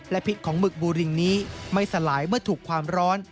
พิษของหมึกบูริงนี้ไม่สลายเมื่อถูกความร้อน